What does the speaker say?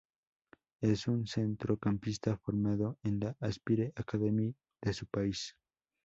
Es un centrocampista formado en la Aspire Academy de su país.